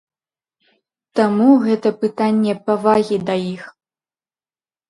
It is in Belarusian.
Таму гэта пытанне павагі да іх.